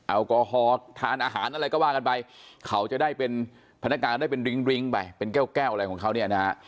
แอลกอฮอล์ทานอาหารอะไรก็ว่ากันไปเขาจะได้เป็นพนักงานได้เป็นริ้งริ้งไปเป็นแก้วแก้วอะไรของเขาเนี่ยนะฮะ